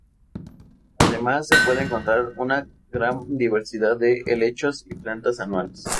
Además, se puede encontrar una gran diversidad de helechos y plantas anuales.